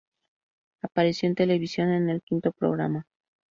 Apareció en televisión en el quinto programa.